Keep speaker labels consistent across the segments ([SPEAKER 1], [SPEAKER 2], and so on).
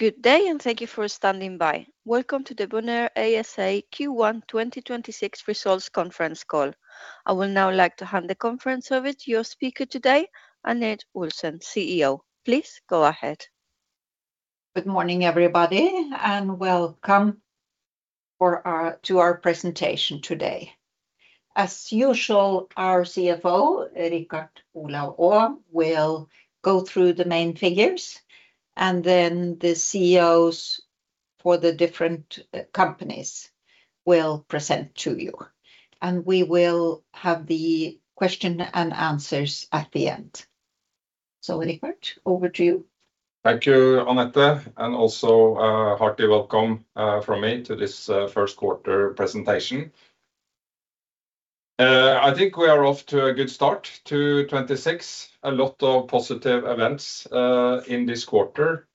[SPEAKER 1] Good day. Thank you for standing by. Welcome to the Bonheur ASA Q1 2026 Results Conference Call. I will now like to hand the conference over to your speaker today, Anette Olsen, CEO. Please go ahead.
[SPEAKER 2] Good morning, everybody, welcome to our presentation today. As usual, our CFO, Richard Olav Aa, will go through the main figures, and then the CEOs for the different companies will present to you. We will have the question and answers at the end. Richard, over to you.
[SPEAKER 3] Thank you, Anette, and also, hearty welcome from me to this first quarter presentation. I think we are off to a good start to 2026. A lot of positive events in this quarter.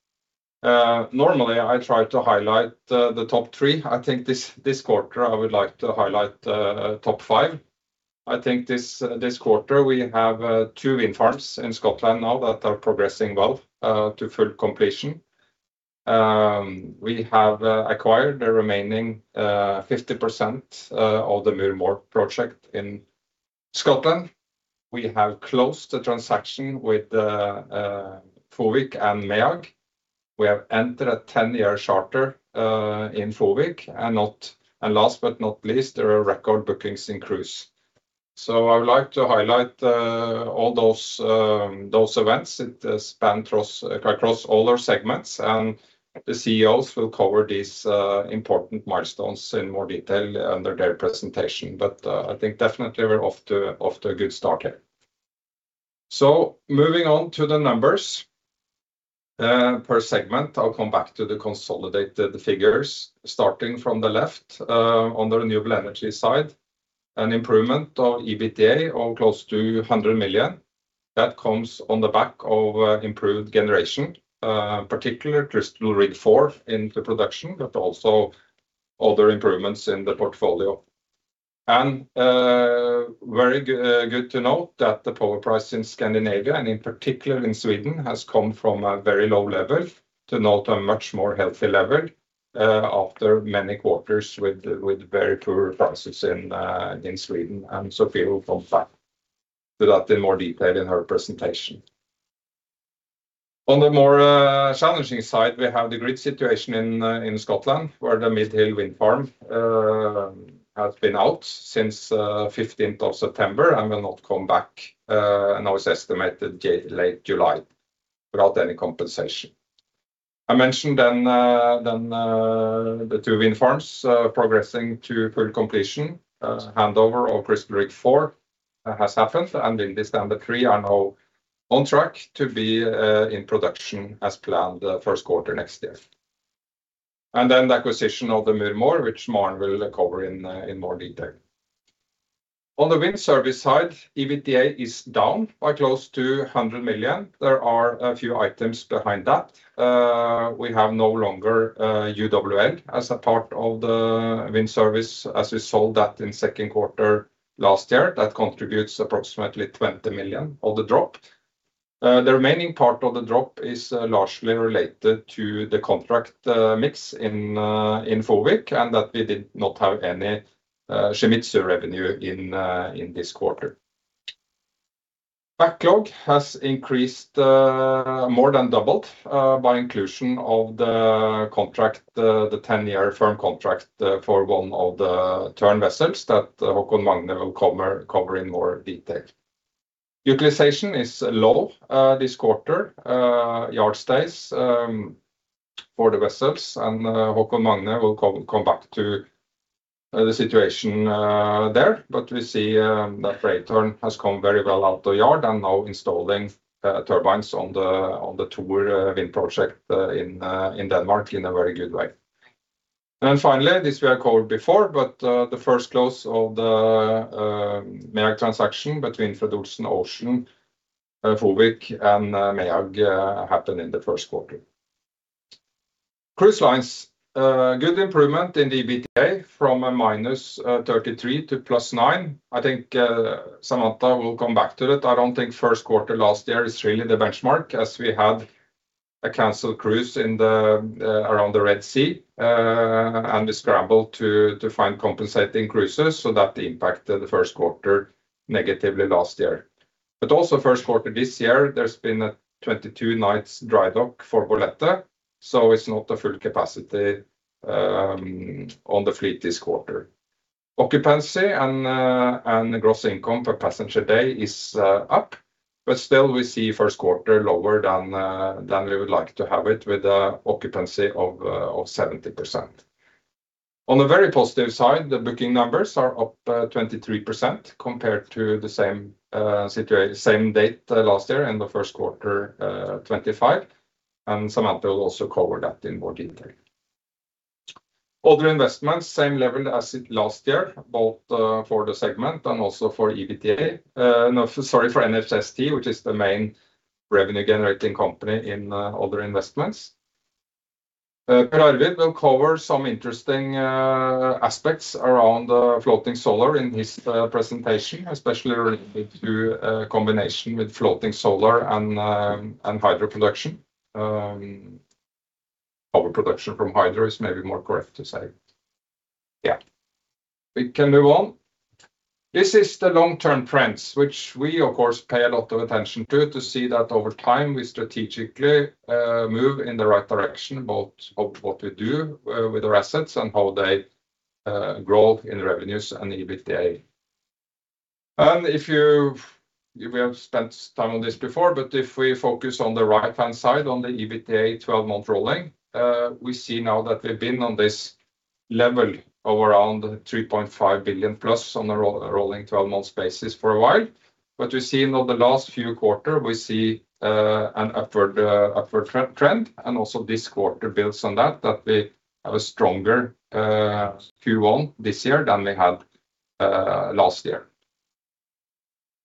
[SPEAKER 3] Normally I try to highlight the top 3. I think this quarter I would like to highlight top 5. I think this quarter we have 2 wind farms in Scotland now that are progressing well to full completion. We have acquired the remaining 50% of the Muir Mhòr project in Scotland. We have closed the transaction with Fovik and Meyock. We have entered a 10-year charter in Fovik, and last but not least, there are record bookings in Cruise. I would like to highlight all those events. It across all our segments. The CEOs will cover these important milestones in more detail under their presentation. I think definitely we're off to a good start here. Moving on to the numbers. Per segment, I'll come back to the consolidated figures. Starting from the left, on the renewable energy side, an improvement of EBITDA of close to 100 million. That comes on the back of improved generation, particularly Crystal Rig IV in the production, but also other improvements in the portfolio. Very good to note that the power price in Scandinavia, and in particular in Sweden, has come from a very low level to now to a much more healthy level after many quarters with very poor prices in Sweden. Sofie will come back to that in more detail in her presentation. On the more challenging side, we have the grid situation in Scotland, where the Mid Hill Wind Farm has been out since the 15th of September and will not come back. Now it's estimated late July without any compensation. I mentioned the two wind farms progressing to full completion. Handover of Crystal Rig 4 has happened, and Windy Standard III are now on track to be in production as planned 1st quarter next year. The acquisition of the Muir Mhòr, which Maren will cover in more detail. On the wind service side, EBITDA is down by close to 100 million. There are a few items behind that. We have no longer UWL as a part of the wind service, as we sold that in second quarter last year. That contributes approximately 20 million of the drop. The remaining part of the drop is largely related to the contract mix in Fovik, and that we did not have any Shimizu revenue in this quarter. Backlog has increased more than doubled by inclusion of the contract, the 10-year firm contract for one of the Tern vessels that Haakon Magne Ore will cover in more detail. Utilization is low this quarter, yard stays for the vessels. Haakon-Magne will come back to the situation there. We see that Brave Tern has come very well out the yard and now installing turbines on the Thor Wind project in Denmark in a very good way. Finally, this we have covered before, but the first close of the Meyock transaction between Fred. Olsen Ocean, Fovik and Meyock happened in the first quarter. Cruise lines. Good improvement in the EBITDA from a minus 33 to plus 9. I think Samantha will come back to it. I don't think first quarter last year is really the benchmark, as we had a canceled cruise in the around the Red Sea, we scrambled to find compensating cruises, that impacted the first quarter negatively last year. Also first quarter this year, there's been a 22 nights dry dock for Bolette, it's not a full capacity on the fleet this quarter. Occupancy and gross income per passenger day is up, still we see first quarter lower than we would like to have it with an occupancy of 70%. On a very positive side, the booking numbers are up 23% compared to the same date last year in the first quarter 2025, Samantha will also cover that in more detail. Other investments, same level as it last year, both for the segment and also for EBITDA. No, sorry, for NHST, which is the main revenue generating company in other investments. Per Arvid will cover some interesting aspects around floating solar in his presentation, especially related to combination with floating solar and hydro production. Power production from hydro is maybe more correct to say. Yeah. We can move on. This is the long-term trends, which we of course pay a lot of attention to see that over time we strategically move in the right direction both of what we do with our assets and how they grow in revenues and EBITDA. If we have spent time on this before, but if we focus on the right-hand side, on the EBITDA 12-month rolling, we see now that we've been on this level of around 3.5 billion-plus on a rolling 12-month basis for a while. We see now the last few quarter, we see an upward trend, and also this quarter builds on that we have a stronger Q1 this year than we had last year.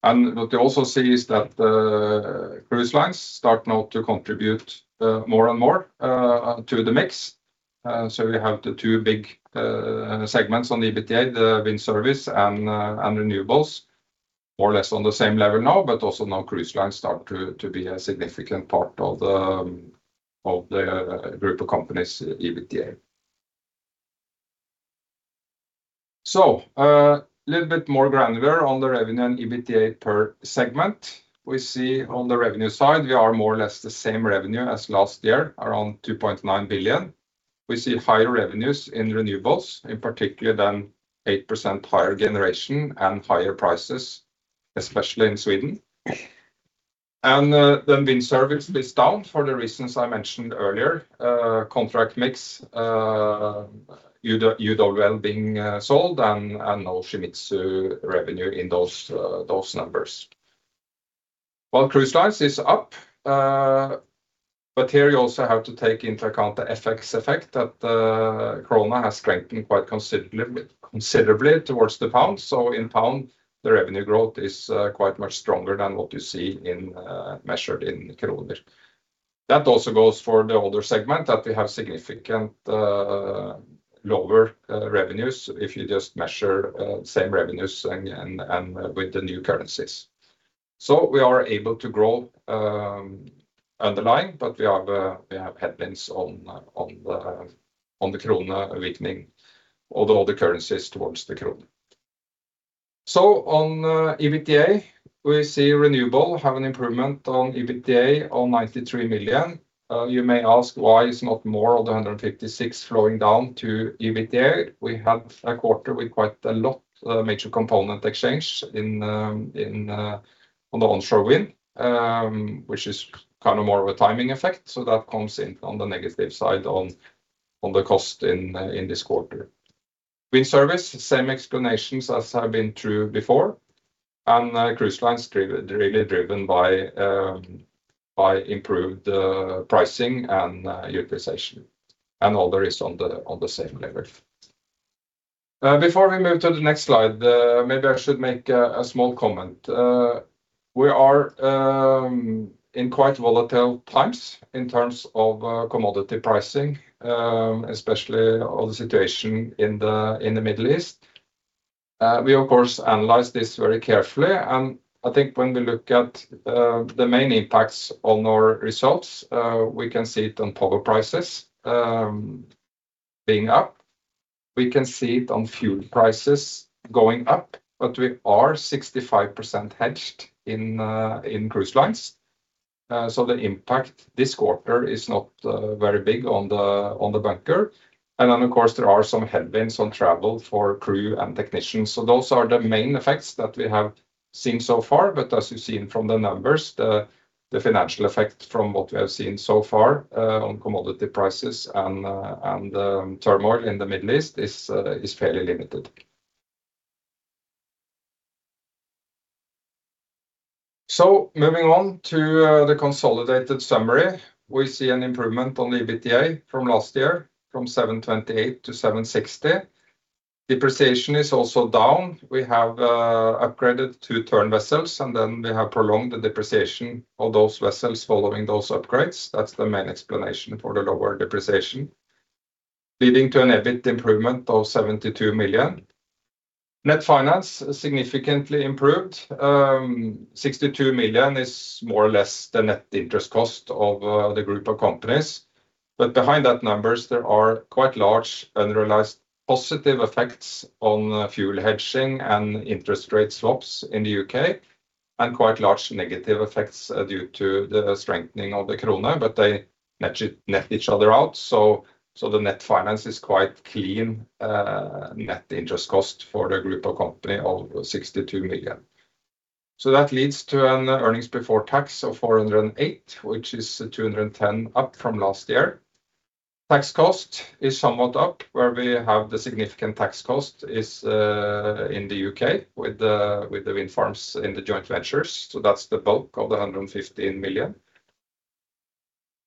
[SPEAKER 3] What we also see is that the cruise lines start now to contribute more and more to the mix. We have the two big segments on EBITDA, the Wind Service and Renewables more or less on the same level now, but also now Cruise Lines start to be a significant part of the group of companies' EBITDA. Little bit more granular on the revenue and EBITDA per segment. We see on the revenue side we are more or less the same revenue as last year, around 2.9 billion. We see higher revenues in Renewables, in particular than 8% higher generation and higher prices, especially in Sweden. Wind Service is down for the reasons I mentioned earlier, contract mix, United Wind Logistics being sold and now Shimizu revenue in those numbers. While Cruise is up, here you also have to take into account the FX effect that the krona has strengthened quite considerably towards the pound. In pound, the revenue growth is quite much stronger than what you see in measured in kroner. That also goes for the older segment, that we have significant lower revenues if you just measure same revenues and with the new currencies. We are able to grow underlying, but we have headwinds on the krona weakening, all the other currencies towards the krona. On EBITDA, we see Renewables have an improvement on EBITDA on 93 million. You may ask, why is not more of the 156 flowing down to EBITDA? We have a quarter with quite a lot of major component exchange in on the onshore wind, which is kind of more of a timing effect. That comes in on the negative side on the cost in this quarter. Wind service, same explanations as have been true before. Cruise lines driven by improved pricing and utilization. Other is on the same level. Before we move to the next slide, maybe I should make a small comment. We are in quite volatile times in terms of commodity pricing, especially on the situation in the Middle East. We of course analyze this very carefully. I think when we look at the main impacts on our results, we can see it on power prices being up. We can see it on fuel prices going up, but we are 65% hedged in cruise lines. The impact this quarter is not very big on the bunker. Of course, there are some headwinds on travel for crew and technicians. Those are the main effects that we have seen so far. As you've seen from the numbers, the financial effect from what we have seen so far on commodity prices and turmoil in the Middle East is fairly limited. Moving on to the consolidated summary. We see an improvement on EBITDA from last year, from 728 to 760. Depreciation is also down. We have upgraded 2 Tern vessels. We have prolonged the depreciation of those vessels following those upgrades. That's the main explanation for the lower depreciation, leading to an EBITDA improvement of 72 million. Net finance significantly improved. 62 million is more or less the net interest cost of the group of companies. Behind that numbers, there are quite large unrealized positive effects on fuel hedging and interest rate swaps in the U.K., and quite large negative effects due to the strengthening of the krona. They net each other out. The net finance is quite clean, net interest cost for the group of company of 62 million. That leads to an earnings before tax of 408, which is 210 up from last year. Tax cost is somewhat up. Where we have the significant tax cost is in the U.K. with the wind farms in the joint ventures, that's the bulk of the 115 million.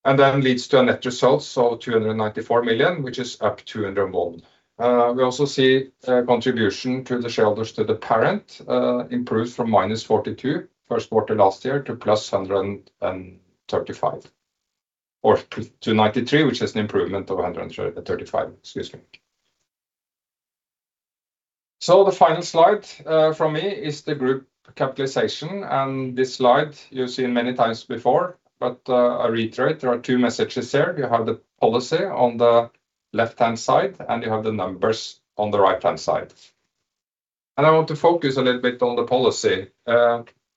[SPEAKER 3] Then leads to a net result of 294 million, which is up 201. We also see a contribution to the shareholders to the parent improved from minus 42 first quarter last year to plus 135, or to 93, which is an improvement of 135, excuse me. The final slide from me is the group capitalization, and this slide you've seen many times before, but I'll reiterate, there are two messages here. You have the policy on the left-hand side, and you have the numbers on the right-hand side. I want to focus a little bit on the policy.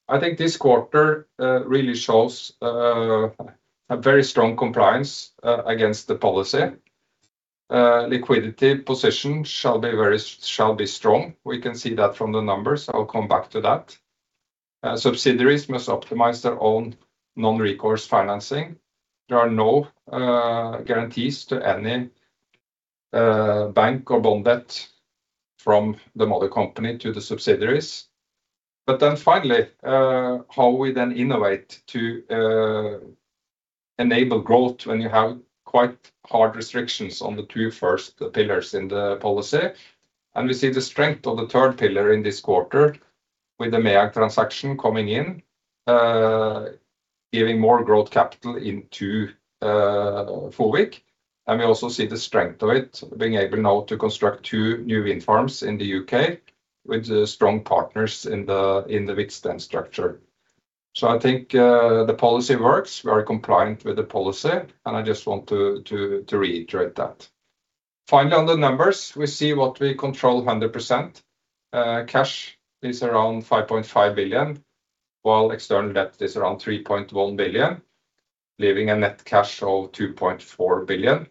[SPEAKER 3] I think this quarter really shows a very strong compliance against the policy. Liquidity position shall be very strong. We can see that from the numbers. I'll come back to that. Subsidiaries must optimize their own non-recourse financing. There are no guarantees to any bank or bond debt from the mother company to the subsidiaries. Finally, how we then innovate to enable growth when you have quite hard restrictions on the two first pillars in the policy, and we see the strength of the third pillar in this quarter with the MEAG transaction coming in, giving more growth capital into FOWIC, and we also see the strength of it being able now to construct two new wind farms in the U.K. with the strong partners in the Vistden structure. I think the policy works, very compliant with the policy, and I just want to reiterate that. Finally, on the numbers, we see what we control 100%. Cash is around 5.5 billion, while external debt is around 3.1 billion, leaving a net cash of 2.4 billion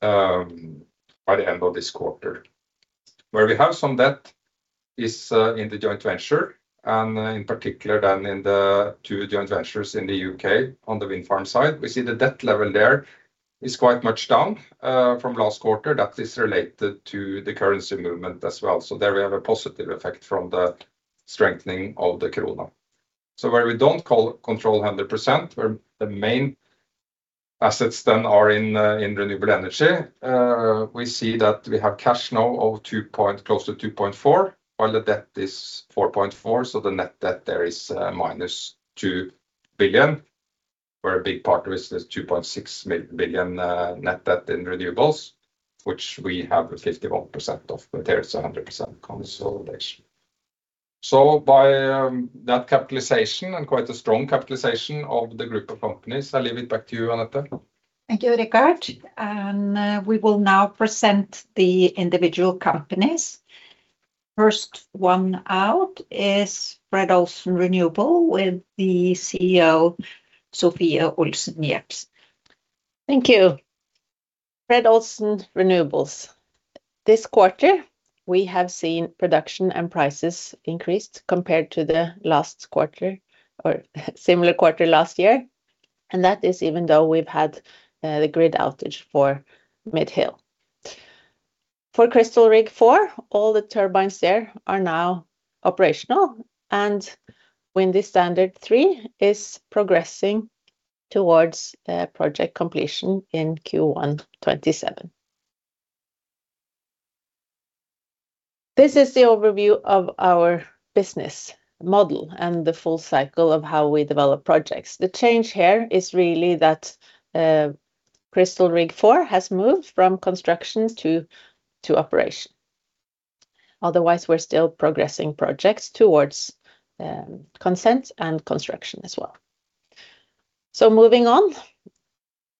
[SPEAKER 3] by the end of this quarter. Where we have some debt is in the joint venture and in particular than in the two joint ventures in the U.K. on the wind farm side. We see the debt level there is quite much down from last quarter. That is related to the currency movement as well. There we have a positive effect from the strengthening of the krone. Where we don't control 100%, where the main assets then are in renewable energy, we see that we have cash now of close to 2.4 billion, while the debt is 4.4 billion, so the net debt there is minus 2 billion, where a big part of it is 2.6 billion net debt in renewables, which we have 51% of, but there is 100% consolidation. By that capitalization and quite a strong capitalization of the group of companies, I leave it back to you, Anette.
[SPEAKER 2] Thank you, Richard. We will now present the individual companies. First one out is Fred. Olsen Renewables with the CEO, Sofie Olsen Jebsen.
[SPEAKER 4] Thank you. Fred. Olsen Renewables. This quarter, we have seen production and prices increased compared to the last quarter or similar quarter last year, and that is even though we've had the grid outage for MidHill. For Crystal Rig IV, all the turbines there are now operational, and Windy Standard III is progressing towards project completion in Q1 2027. This is the overview of our business model and the full cycle of how we develop projects. The change here is really that Crystal Rig IV has moved from construction to operation. Otherwise, we're still progressing projects towards consent and construction as well. Moving on,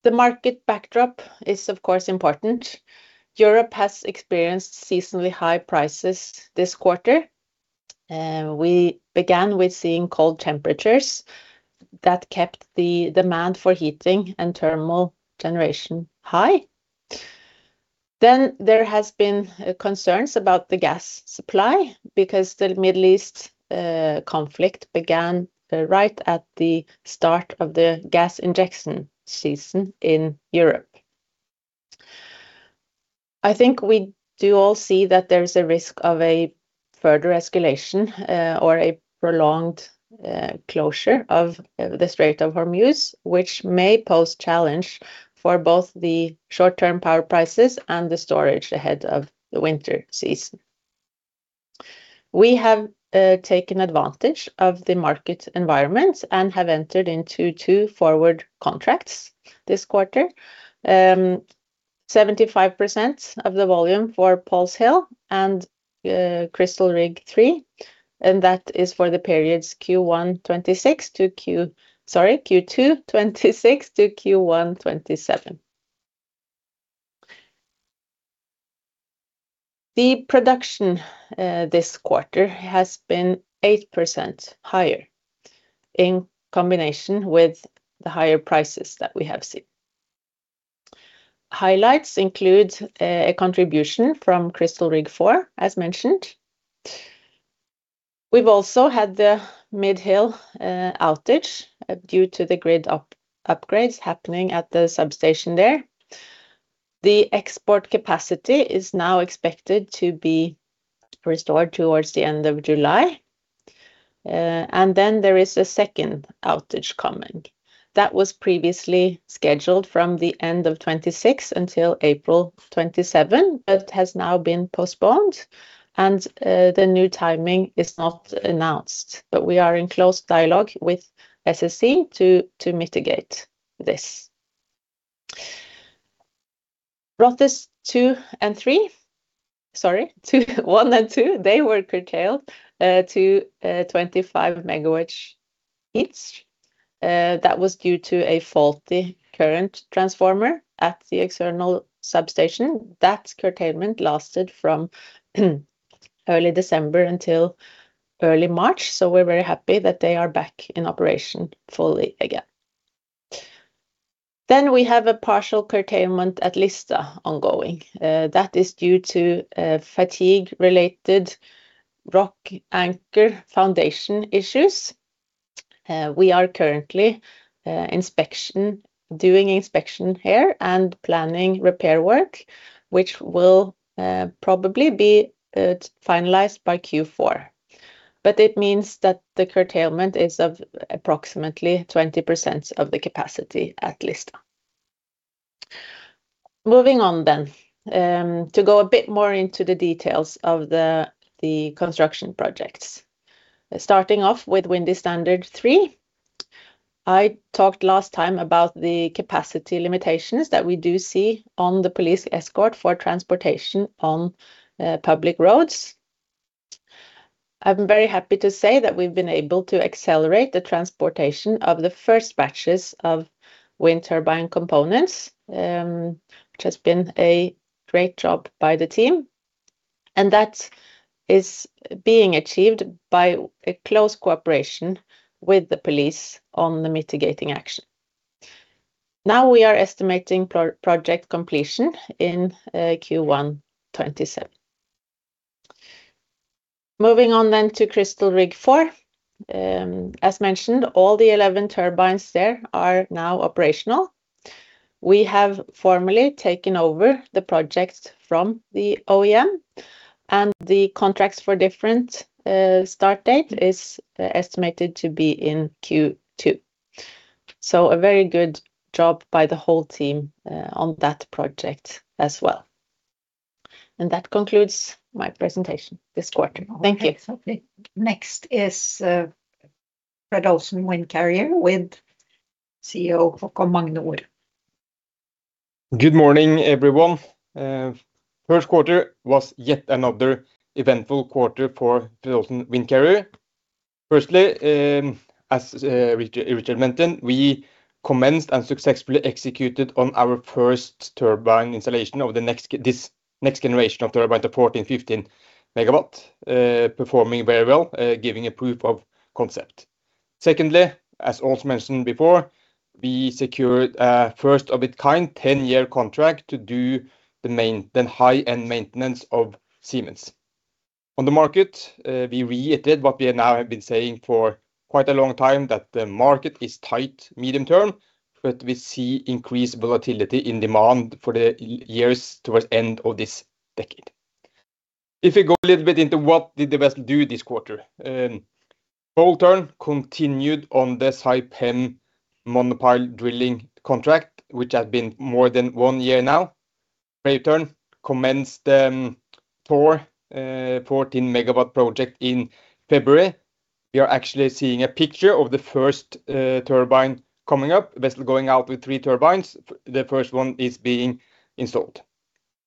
[SPEAKER 4] the market backdrop is, of course, important. Europe has experienced seasonally high prices this quarter. We began with seeing cold temperatures that kept the demand for heating and thermal generation high. There has been concerns about the gas supply because the Middle East conflict began right at the start of the gas injection season in Europe. I think we do all see that there is a risk of a further escalation or a prolonged closure of the Strait of Hormuz, which may pose challenge for both the short-term power prices and the storage ahead of the winter season. We have taken advantage of the market environment and have entered into 2 forward contracts this quarter. 75% of the volume for Paul's Hill and Crystal Rig III, and that is for the periods Q2 2026 to Q1 2027. The production this quarter has been 8% higher in combination with the higher prices that we have seen. Highlights include a contribution from Crystal Rig IV, as mentioned. We've also had the MidHill outage due to the grid upgrades happening at the substation there. The export capacity is now expected to be restored towards the end of July. There is a second outage coming. That was previously scheduled from the end of 2026 until April 2027 but has now been postponed, the new timing is not announced. We are in close dialogue with SSE to mitigate this. Rothes 2 and 3. Sorry, 1 and 2, they were curtailed to 25 MW each. That was due to a faulty current transformer at the external substation. That curtailment lasted from early December until early March, we're very happy that they are back in operation fully again. We have a partial curtailment at Lista ongoing. That is due to fatigue-related rock anchor foundation issues. We are currently doing inspection here and planning repair work, which will probably be finalized by Q4. It means that the curtailment is of approximately 20% of the capacity at Lista. To go a bit more into the details of the construction projects. Starting off with Windy Standard III. I talked last time about the capacity limitations that we do see on the police escort for transportation on public roads. I'm very happy to say that we've been able to accelerate the transportation of the first batches of wind turbine components, which has been a great job by the team, and that is being achieved by a close cooperation with the police on the mitigating action. We are estimating project completion in Q1 2027. Moving on to Crystal Rig IV. As mentioned, all the 11 turbines there are now operational. We have formally taken over the project from the OEM, the contracts for different start date is estimated to be in Q2. A very good job by the whole team on that project as well. That concludes my presentation this quarter. Thank you.
[SPEAKER 2] Okay. Next is, Fred. Olsen Windcarrier with CEO Haakon Magne Ore.
[SPEAKER 5] Good morning, everyone. First quarter was yet another eventful quarter for Fred. Olsen Windcarrier. Firstly, as Richard mentioned, we commenced and successfully executed on our first turbine installation of the next generation of turbine, the 14, 15 MW, performing very well, giving a proof of concept. Secondly, as also mentioned before, we secured a first of its kind 10-year contract to do the high-end maintenance of Siemens Gamesa. On the market, we reiterated what we now have been saying for quite a long time that the market is tight medium term, but we see increased volatility in demand for the years towards end of this decade. If we go a little bit into what did the vessels do this quarter. Bold Tern continued on this high-pen monopile drilling contract, which has been more than 1 year now. Brave Tern commenced Thor 14 MW project in February. We are actually seeing a picture of the first turbine coming up. Vessel going out with 3 turbines. The first one is being installed.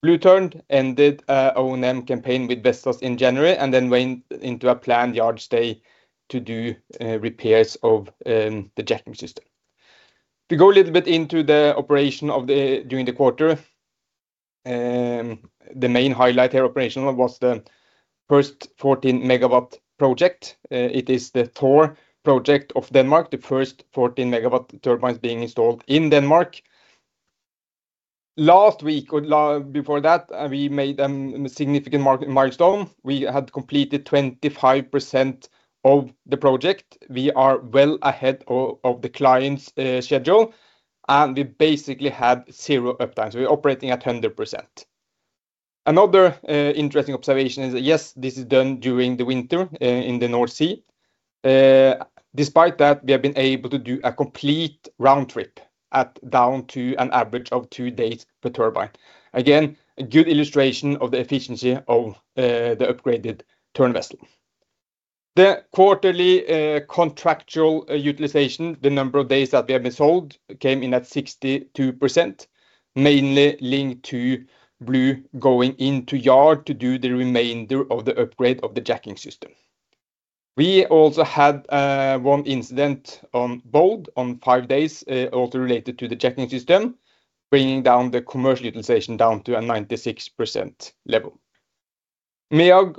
[SPEAKER 5] Blue Tern ended an O&M campaign with vessels in January and then went into a planned yard stay to do repairs of the jacking system. To go a little bit into the operation of the during the quarter. The main highlight here operational was the first 14 MW project. It is the Thor project off Denmark, the first 14 MW turbines being installed in Denmark. Last week or before that, we made a significant milestone. We had completed 25% of the project. We are well ahead of the client's schedule, and we basically had zero uptime, so we're operating at 100%. Another interesting observation is that, yes, this is done during the winter in the North Sea. Despite that, we have been able to do a complete round trip at down to an average of 2 days per turbine. Again, a good illustration of the efficiency of the upgraded Tern vessel. The quarterly contractual utilization, the number of days that we have been sold, came in at 62%, mainly linked to Blue Tern going into yard to do the remainder of the upgrade of the jacking system. We also had 1 incident on board on 5 days, also related to the jacking system, bringing down the commercial utilization down to a 96% level. MEAG,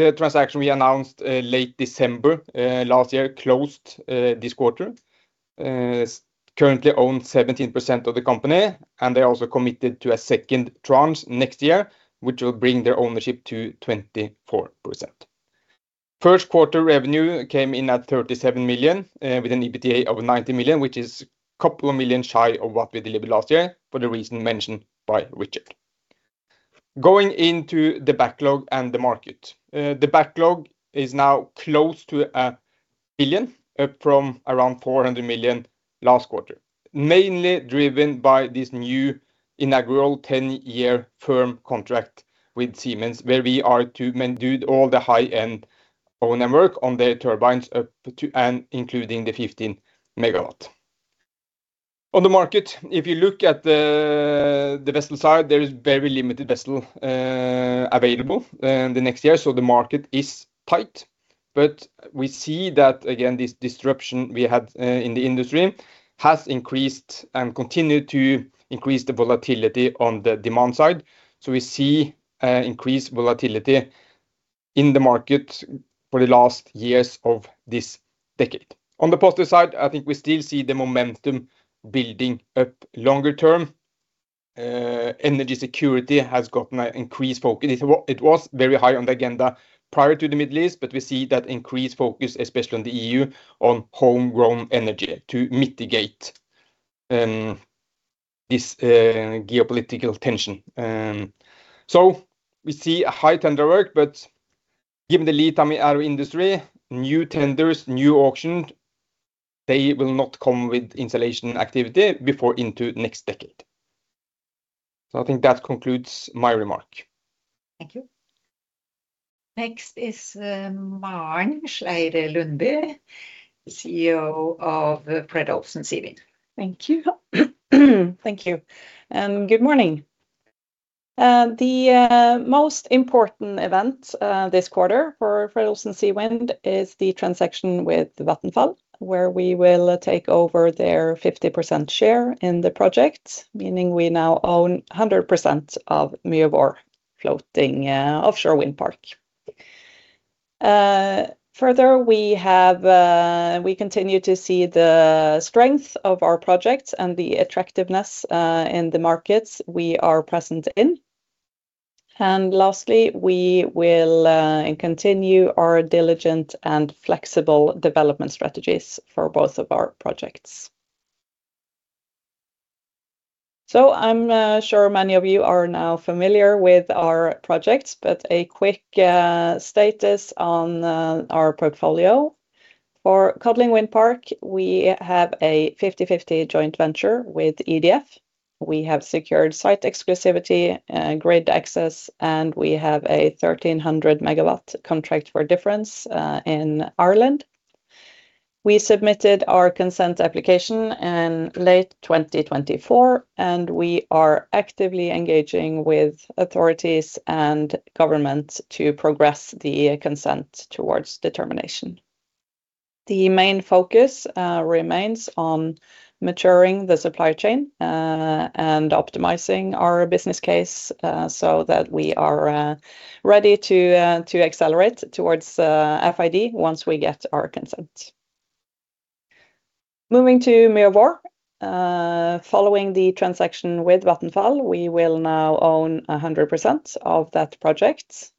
[SPEAKER 5] the transaction we announced late December last year, closed this quarter. Currently own 17% of the company, and they also committed to a second tranche next year, which will bring their ownership to 24%. First quarter revenue came in at 37 million, with an EBITDA of 90 million, which is a couple of million NOK shy of what we delivered last year for the reason mentioned by Richard. Going into the backlog and the market. The backlog is now close to 1 billion, up from around 400 million last quarter, mainly driven by this new inaugural 10-year firm contract with Siemens, where we are to do all the high-end O&M on their turbines up to, and including the 15 MW. On the market, if you look at the vessel side, there is very limited vessel available next year, so the market is tight. We see that again, this disruption we had in the industry has increased and continued to increase the volatility on the demand side. We see increased volatility in the market for the last years of this decade. On the positive side, I think we still see the momentum building up longer term. Energy security has gotten an increased focus. It was very high on the agenda prior to the Middle East, but we see that increased focus, especially on the EU, on homegrown energy to mitigate this geopolitical tension. We see a high tender work, but given the lead time in our industry, new tenders, new auctions, they will not come with installation activity before into next decade. I think that concludes my remark.
[SPEAKER 2] Thank you. Next is Maren S. Lundby, CEO of Fred. Olsen Seawind.
[SPEAKER 6] Thank you. Thank you, and good morning. The most important event this quarter for Fred. Olsen Seawind is the transaction with Vattenfall, where we will take over their 50% share in the project, meaning we now own 100% of Muir Mhòr floating offshore wind park. Further, we continue to see the strength of our project and the attractiveness in the markets we are present in. Lastly, we will continue our diligent and flexible development strategies for both of our projects. I'm sure many of you are now familiar with our projects, but a quick status on our portfolio. For Codling Wind Park, we have a 50/50 joint venture with EDF. We have secured site exclusivity, grid access, and we have a 1,300 megawatt contract for difference in Ireland. We submitted our consent application in late 2024. We are actively engaging with authorities and government to progress the consent towards determination. The main focus remains on maturing the supply chain and optimizing our business case so that we are ready to to accelerate towards FID once we get our consent. Moving to Muir Mhòr. Following the transaction with Vattenfall, we will now own 100% of that project,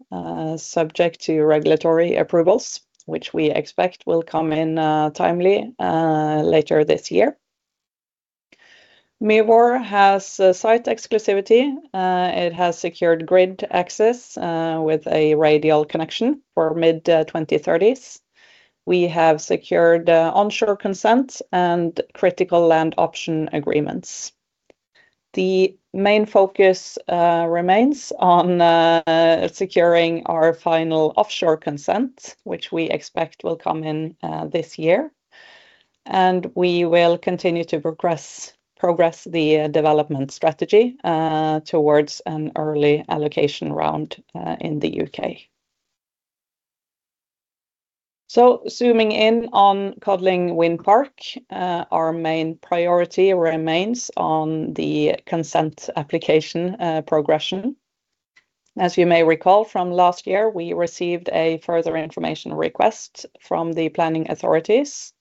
[SPEAKER 6] subject to regulatory approvals, which we expect will come in timely later this year. Muir Mhòr has site exclusivity. It has secured grid access with a radial connection for mid-2030s. We have secured onshore consent and critical land option agreements. The main focus remains on securing our final offshore consent, which we expect will come in this year. We will continue to progress the development strategy towards an early allocation round in the U.K. Zooming in on Codling Wind Park, our main priority remains on the consent application progression. As you may recall from last year, we received a further information request from the planning authorities.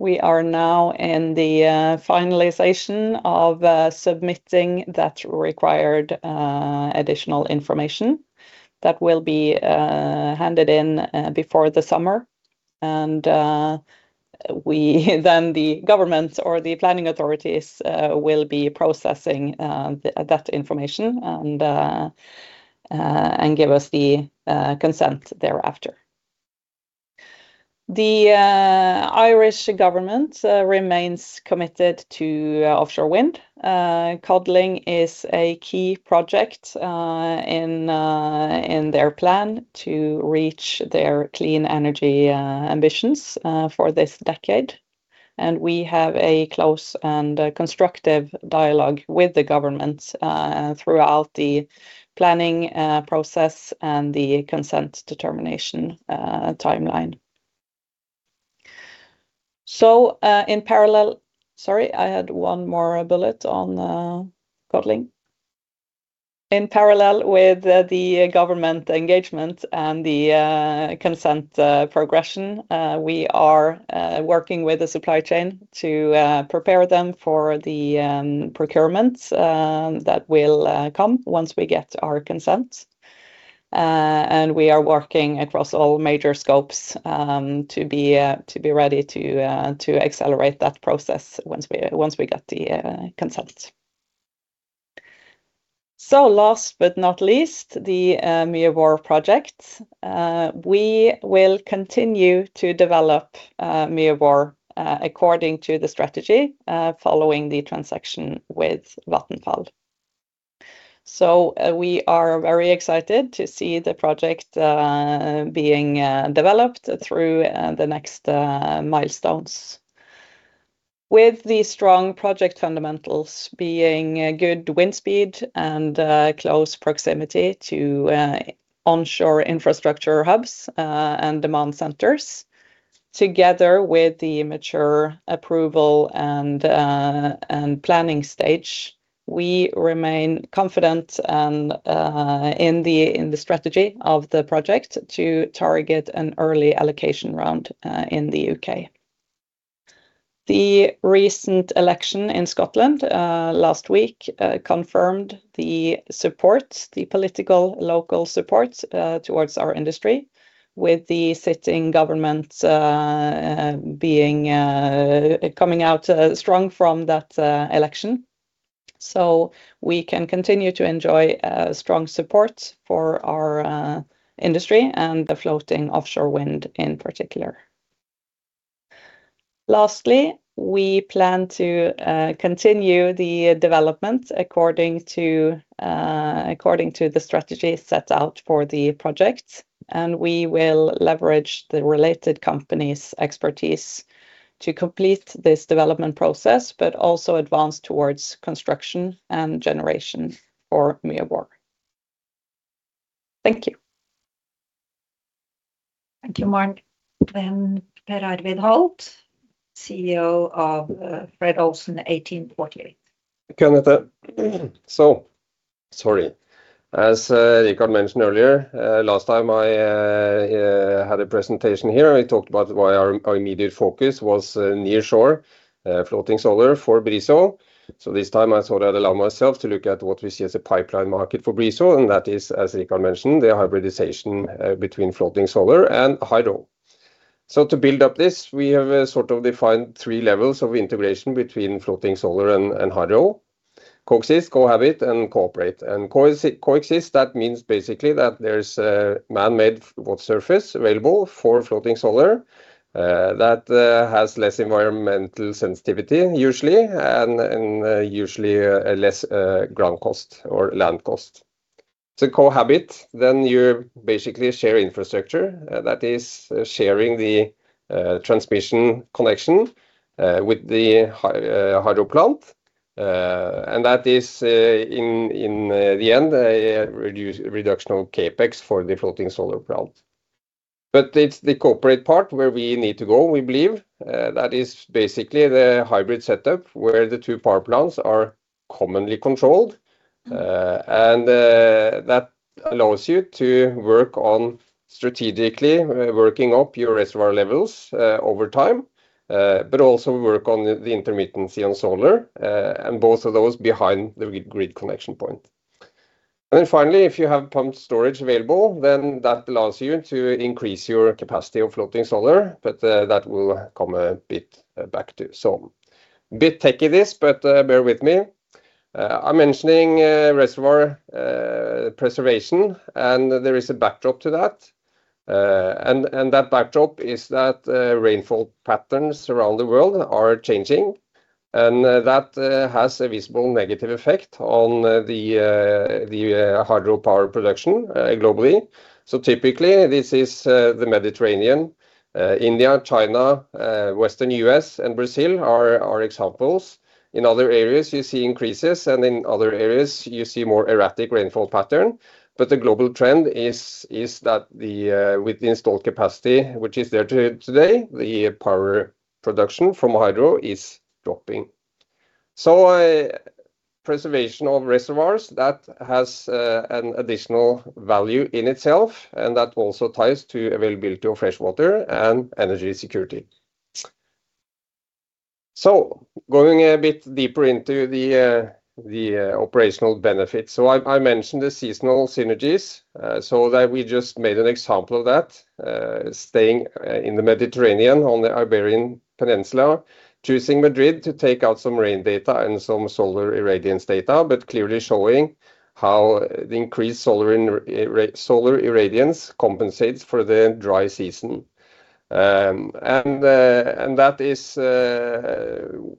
[SPEAKER 6] We are now in the finalization of submitting that required additional information that will be handed in before the summer. We then the government or the planning authorities will be processing that information and give us the consent thereafter. The Irish government remains committed to offshore wind. Codling is a key project in their plan to reach their clean energy ambitions for this decade. We have a close and constructive dialogue with the government throughout the planning process and the consent determination timeline. Sorry, I had one more bullet on Codling. In parallel with the government engagement and the consent progression, we are working with the supply chain to prepare them for the procurements that will come once we get our consent. We are working across all major scopes to be ready to accelerate that process once we got the consent. Last but not least, the Muir Mhòr project. We will continue to develop Muir Mhòr according to the strategy following the transaction with Vattenfall. We are very excited to see the project being developed through the next milestones. With the strong project fundamentals being a good wind speed and close proximity to onshore infrastructure hubs and demand centers, together with the mature approval and planning stage, we remain confident in the strategy of the project to target an early allocation round in the U.K. The recent election in Scotland last week confirmed the support, the political local support, towards our industry with the sitting government being coming out strong from that election. We can continue to enjoy strong support for our industry and the floating offshore wind in particular. Lastly, we plan to continue the development according to the strategy set out for the project, and we will leverage the related company's expertise to complete this development process, but also advance towards construction and generation for Muir Mhòr. Thank you.
[SPEAKER 2] Thank you, Maren. Per Arvid Holth, CEO of Fred. Olsen 1848.
[SPEAKER 7] Okay. Sorry. As Rick had mentioned earlier, last time I had a presentation here, I talked about why our immediate focus was near shore floating solar for BRIZO. This time I sort of allow myself to look at what we see as a pipeline market for BRIZO, and that is, as Rick had mentioned, the hybridization between floating solar and hydro. To build up this, we have sort of defined three levels of integration between floating solar and hydro: coexist, cohabit, and cooperate. Coexist, that means basically that there's a man-made water surface available for floating solar that has less environmental sensitivity usually and usually less ground cost or land cost. Cohabit, then you basically share infrastructure. That is sharing the transmission connection with the hydro plant. That is in the end a reductional CapEx for the floating solar plant. It's the corporate part where we need to go, we believe. That is basically the hybrid setup where the 2 power plants are commonly controlled. That allows you to work on strategically working up your reservoir levels over time, but also work on the intermittency on solar, and both of those behind the grid connection point. Finally, if you have pumped storage available, then that allows you to increase your capacity of floating solar, but that will come a bit back to. Bit techy this, but bear with me. I'm mentioning reservoir preservation, and there is a backdrop to that. That backdrop is that rainfall patterns around the world are changing, and that has a visible negative effect on the hydropower production globally. Typically this is the Mediterranean, India, China, Western U.S., and Brazil are our examples. In other areas, you see increases, and in other areas, you see more erratic rainfall pattern. The global trend is that with the installed capacity which is there today, the power production from hydro is dropping. Preservation of reservoirs, that has an additional value in itself, and that also ties to availability of fresh water and energy security. Going a bit deeper into the operational benefits. I mentioned the seasonal synergies, so that we just made an example of that, staying in the Mediterranean on the Iberian Peninsula, choosing Madrid to take out some rain data and some solar irradiance data, but clearly showing how the increased solar irradiance compensates for the dry season. That is,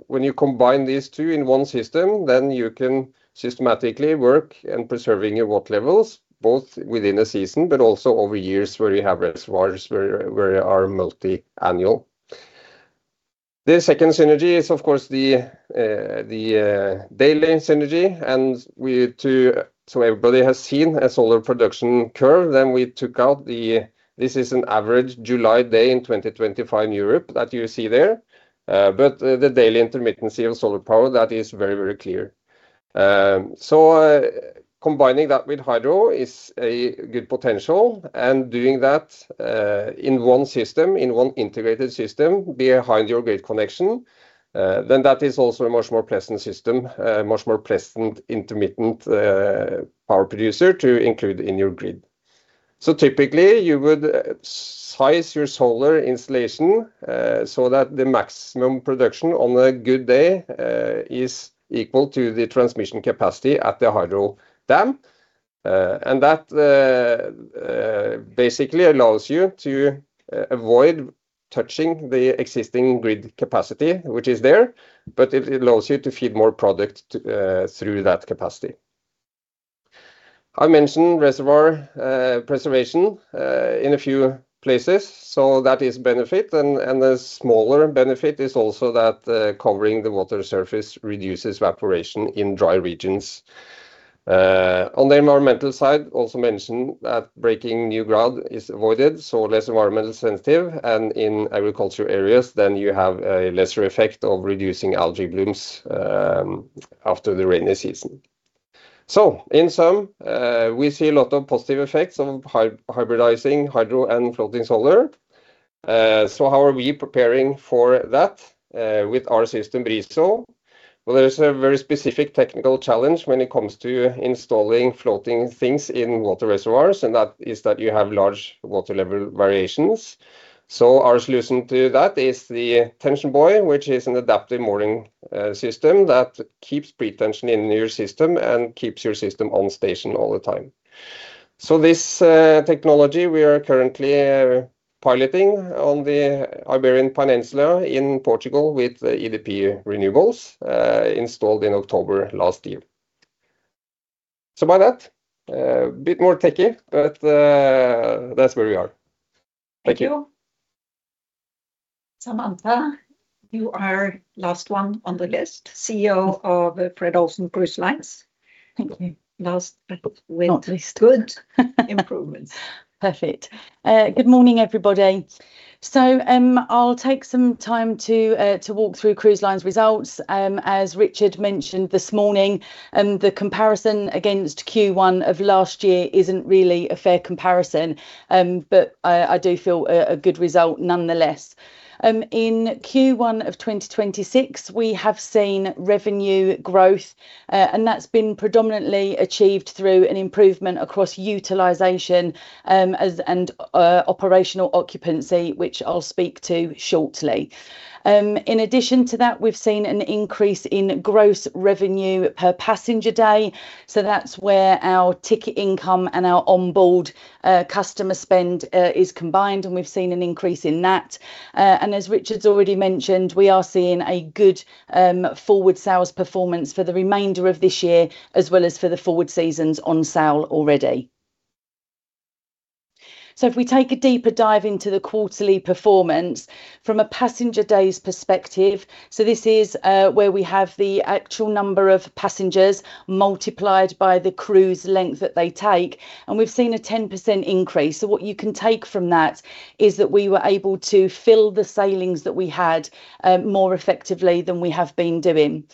[SPEAKER 7] when you combine these two in one system, then you can systematically work in preserving your water levels, both within a season, but also over years where you have reservoirs where you are multi-annual. The second synergy is of course the daily synergy. Everybody has seen a solar production curve, then we took out. This is an average July day in 2025 Europe that you see there. The daily intermittency of solar power, that is very, very clear. Combining that with hydro is a good potential, and doing that in one system, in one integrated system behind your grid connection, that is also a much more pleasant system, a much more pleasant intermittent power producer to include in your grid. Typically you would size your solar installation so that the maximum production on a good day is equal to the transmission capacity at the hydro dam. That basically allows you to avoid touching the existing grid capacity which is there, but it allows you to feed more product through that capacity. I mentioned reservoir preservation in a few places, so that is benefit and a smaller benefit is also that the covering the water surface reduces evaporation in dry regions. On the environmental side, also mentioned that breaking new ground is avoided, so less environmental sensitive, and in agricultural areas then you have a lesser effect of reducing algae blooms, after the rainy season. In sum, we see a lot of positive effects of hybridizing hydro and floating solar. How are we preparing for that, with our system BRIZO? Well, there's a very specific technical challenge when it comes to installing floating things in water reservoirs, and that is that you have large water level variations. Our solution to that is the Tension Buoy, which is an adaptive mooring system that keeps pre-tensioning your system and keeps your system on station all the time. This technology we are currently piloting on the Iberian Peninsula in Portugal with EDP Renewables, installed in October last year. By that, a bit more techy, but that's where we are. Thank you.
[SPEAKER 2] Thank you. Samantha, you are last one on the list, CEO of Fred. Olsen Cruise Lines.
[SPEAKER 8] Thank you.
[SPEAKER 2] Last but not least.
[SPEAKER 8] Good.
[SPEAKER 2] Improvements.
[SPEAKER 8] Perfect. Good morning, everybody. I'll take some time to walk through Cruise Line's results. As Richard mentioned this morning, the comparison against Q1 of last year isn't really a fair comparison, but I do feel a good result nonetheless. In Q1 of 2026, we have seen revenue growth, and that's been predominantly achieved through an improvement across utilization, as, and operational occupancy, which I'll speak to shortly. In addition to that, we've seen an increase in gross revenue per passenger day, so that's where our ticket income and our onboard customer spend is combined, and we've seen an increase in that. As Richard's already mentioned, we are seeing a good forward sales performance for the remainder of this year, as well as for the forward seasons on sale already. If we take a deeper dive into the quarterly performance from a passenger days perspective, this is, where we have the actual number of passengers multiplied by the cruise length that they take, and we've seen a 10% increase. What you can take from that is that we were able to fill the sailings that we had, more effectively than we have been doing.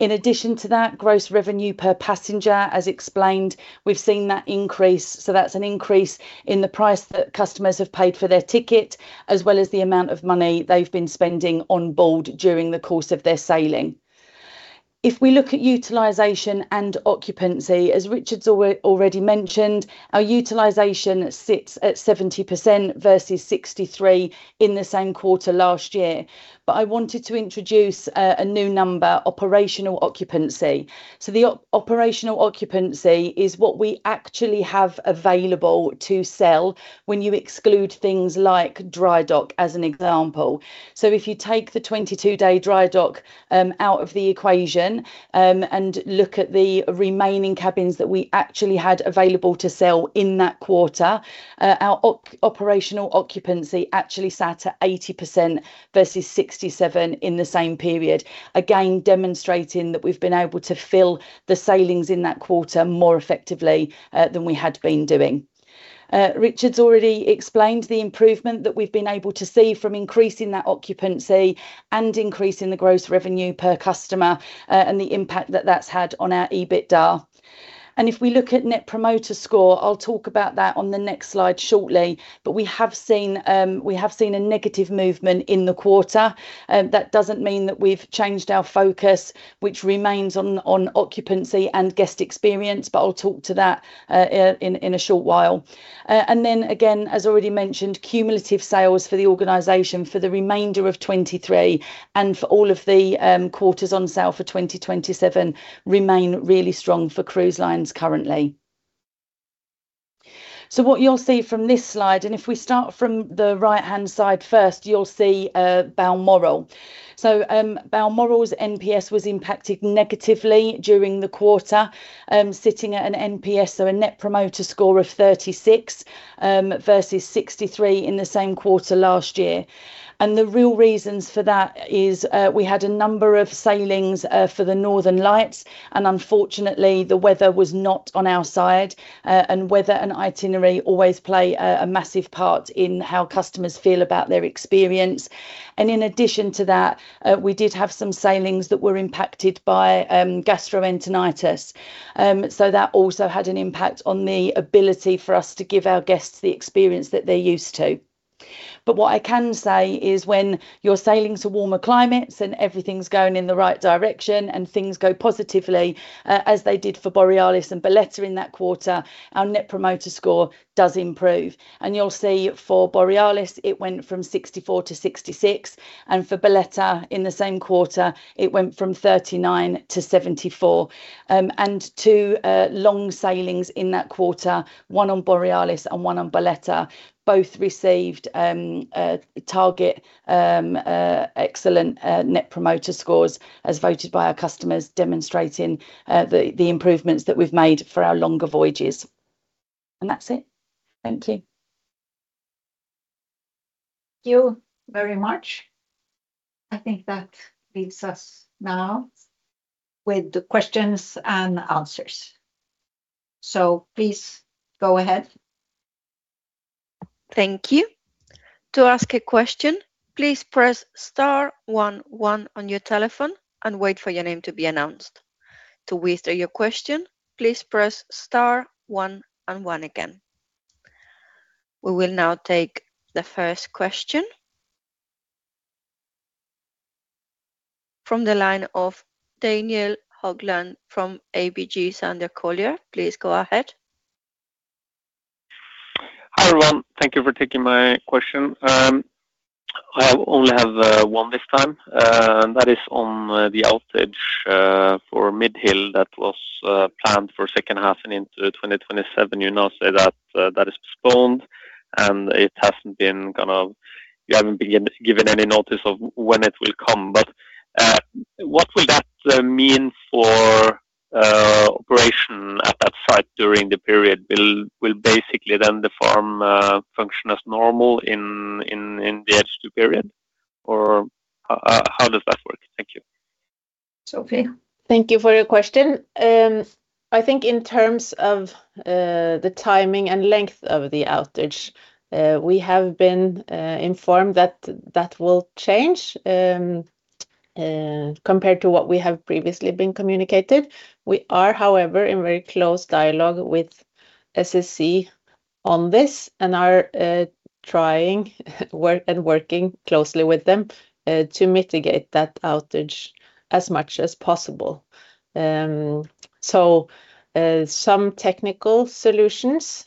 [SPEAKER 8] In addition to that, gross revenue per passenger, as explained, we've seen that increase. That's an increase in the price that customers have paid for their ticket, as well as the amount of money they've been spending on board during the course of their sailing. If we look at utilization and occupancy, as Richard's already mentioned, our utilization sits at 70% versus 63 in the same quarter last year. I wanted to introduce a new number, operational occupancy. The operational occupancy is what we actually have available to sell when you exclude things like dry dock, as an example. If you take the 22-day dry dock out of the equation and look at the remaining cabins that we actually had available to sell in that quarter, our operational occupancy actually sat at 80% versus 67% in the same period. Again, demonstrating that we've been able to fill the sailings in that quarter more effectively than we had been doing. Richard's already explained the improvement that we've been able to see from increasing that occupancy and increasing the gross revenue per customer and the impact that that's had on our EBITDA. If we look at Net Promoter Score, I'll talk about that on the next slide shortly, but we have seen a negative movement in the quarter. That doesn't mean that we've changed our focus, which remains on occupancy and guest experience, but I'll talk to that in a short while. Then again, as already mentioned, cumulative sales for the organization for the remainder of 23 and for all of the quarters on sale for 2027 remain really strong for Cruise Lines currently. What you'll see from this slide, and if we start from the right-hand side first, you'll see Balmoral. Balmoral's NPS was impacted negatively during the quarter, sitting at an NPS, so a Net Promoter Score of 36 versus 63 in the same quarter last year. The real reasons for that is we had a number of sailings for the Northern Lights, and unfortunately, the weather was not on our side. Weather and itinerary always play a massive part in how customers feel about their experience. In addition to that, we did have some sailings that were impacted by gastroenteritis. That also had an impact on the ability for us to give our guests the experience that they're used to. What I can say is when you're sailing to warmer climates and everything's going in the right direction and things go positively, as they did for Borealis and Bolette in that quarter, our Net Promoter Score does improve. You'll see for Borealis, it went from 64 to 66, and for Bolette in the same quarter, it went from 39 to 74. 2 long sailings in that quarter, 1 on Borealis and 1 on Bolette, both received a target, excellent, Net Promoter Scores as voted by our customers, demonstrating the improvements that we've made for our longer voyages. That's it. Thank you.
[SPEAKER 2] Thank you very much. I think that leaves us now with the questions and answers. Please go ahead.
[SPEAKER 1] Thank you to ask a question please press star 11 on your telephone and wait for your name to be announced. To withdraw your question please press star 1 and 1 again. We will now take the first question. From the line of Daniel Haugland from ABG Sundal Collier, please go ahead.
[SPEAKER 9] Hi, everyone. Thank you for taking my question. I only have one this time, and that is on the outage for Midhill that was planned for second half and into 2027. You now say that that is postponed, and You haven't be given any notice of when it will come. What will that mean for operation at that site during the period? Will basically then the farm function as normal in the H2 period? Or how does that work? Thank you.
[SPEAKER 2] Sofie.
[SPEAKER 4] Thank you for your question. I think in terms of the timing and length of the outage, we have been informed that that will change compared to what we have previously been communicated. We are, however, in very close dialogue with SSE on this and are working closely with them to mitigate that outage as much as possible. Some technical solutions,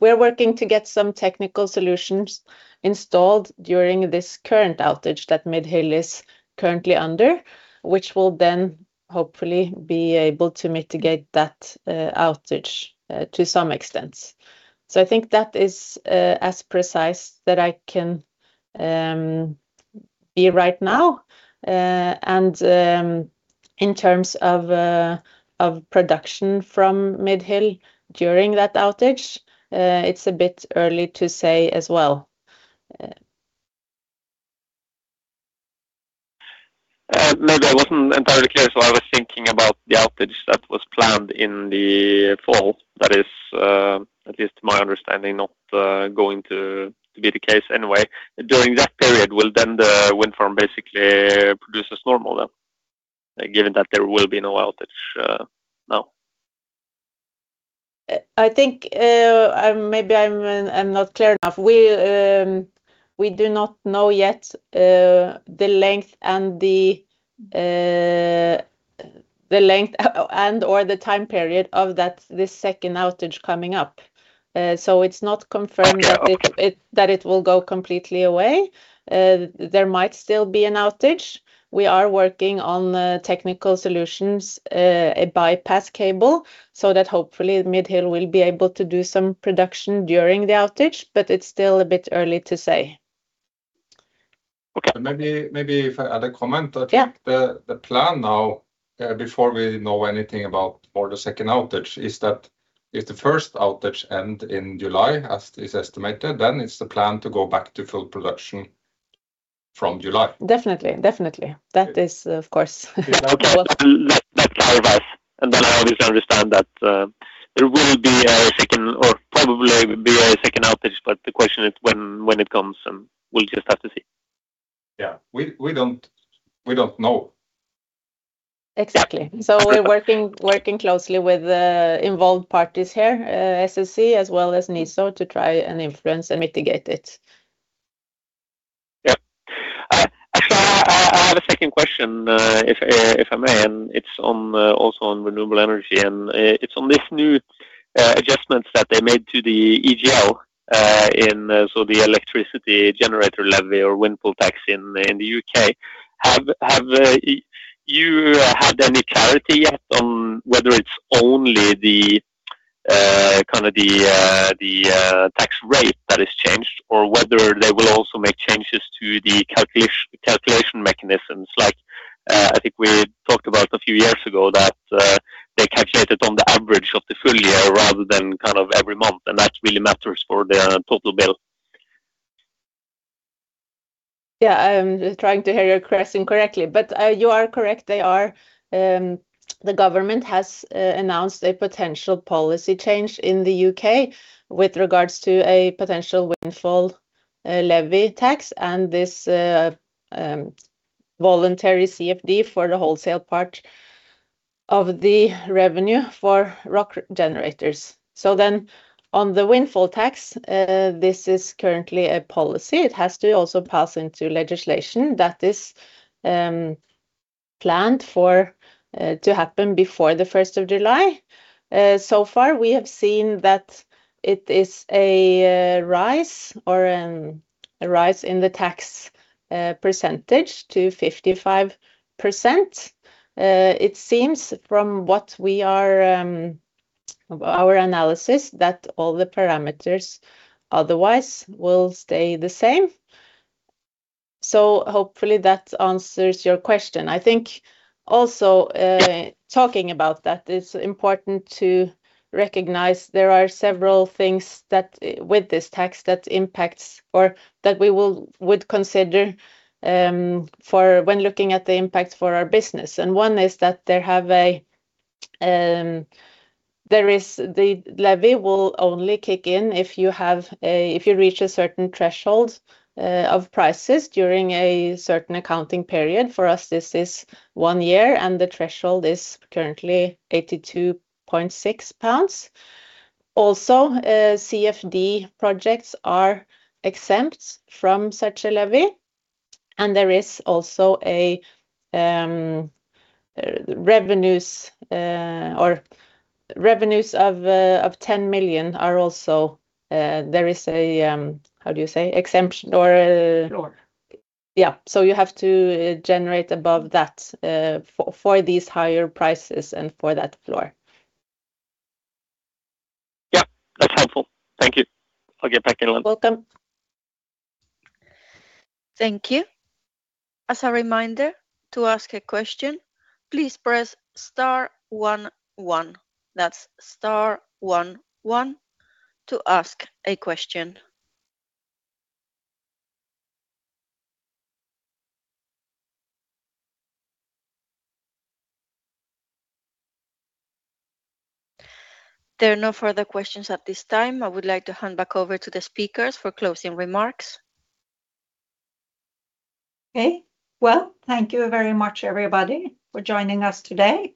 [SPEAKER 4] we're working to get some technical solutions installed during this current outage that Midhill is currently under, which will then hopefully be able to mitigate that outage to some extent. I think that is as precise that I can be right now. In terms of production from Midhill during that outage, it's a bit early to say as well.
[SPEAKER 9] Maybe I wasn't entirely clear. I was thinking about the outage that was planned in the fall. That is, at least my understanding, not going to be the case anyway. During that period, will then the wind farm basically produce as normal then, given that there will be no outage, now?
[SPEAKER 4] I think I'm not clear enough. We do not know yet the length and or the time period of this second outage coming up. It's not confirmed.
[SPEAKER 9] Okay
[SPEAKER 4] it, that it will go completely away. There might still be an outage. We are working on the technical solutions, a bypass cable, so that hopefully Midhill will be able to do some production during the outage, but it's still a bit early to say.
[SPEAKER 3] Maybe if I add a comment.
[SPEAKER 4] Yeah.
[SPEAKER 3] I think the plan now, before we know anything about or the second outage is that if the first outage end in July, as is estimated, it's the plan to go back to full production from July.
[SPEAKER 4] Definitely. That is, of course, the goal.
[SPEAKER 9] That's our advice. Then I obviously understand that there will be a second or probably be a second outage, but the question is when it comes, and we'll just have to see.
[SPEAKER 3] Yeah. We don't know.
[SPEAKER 4] Exactly.
[SPEAKER 9] Yeah.
[SPEAKER 4] We're working closely with the involved parties here, SSE, as well as NISO, to try and influence and mitigate it.
[SPEAKER 9] Yeah. Actually, I had a second question, if I may. It's also on renewable energy, and it's on this new adjustments that they made to the EGL, in, so the Electricity Generator Levy or Windfall Tax in the U.K. Have you had any clarity yet on whether it's only the kind of the tax rate that has changed or whether they will also make changes to the calculation mechanisms? Like, I think we talked about a few years ago that they calculated on the average of the full year rather than kind of every month, and that really matters for their total bill.
[SPEAKER 4] Yeah. I'm trying to hear your question correctly. You are correct. The government has announced a potential policy change in the U.K. with regards to a potential Windfall Levy Tax and this voluntary CFD for the wholesale part of the revenue for electricity generators. On the Windfall Tax, this is currently a policy. It has to also pass into legislation that is planned to happen before the 1st of July. So far, we have seen that it is a rise or a rise in the tax percentage to 55%. It seems from what we are, our analysis that all the parameters otherwise will stay the same. Hopefully that answers your question. I think also, talking about that, it's important to recognize there are several things that with this tax that impacts or that we would consider for when looking at the impact for our business. One is that they have a, there is the levy will only kick in if you have a, if you reach a certain threshold of prices during a certain accounting period. For us, this is one year, and the threshold is currently 82.6 pounds. Also, CFD projects are exempt from such a levy, there is also a revenues, or revenues of 10 million are also, there is a exemption.
[SPEAKER 9] Floor.
[SPEAKER 4] Yeah. You have to generate above that, for these higher prices and for that floor.
[SPEAKER 9] Yeah. That's helpful. Thank you. I'll get back in line.
[SPEAKER 4] Welcome.
[SPEAKER 1] Thank you as a reminder to ask a question please press star 11 that's star 11 to ask a question. There are no further questions at this time. I would like to hand back over to the speakers for closing remarks.
[SPEAKER 2] Okay. Well, thank you very much, everybody, for joining us today.